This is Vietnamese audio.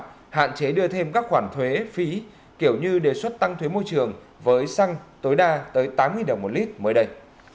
hạn chế đưa thêm các khoản thuế phí kiểu như đề xuất tăng thuế môi trường với xăng tối đa tới tám đồng một lít mới đây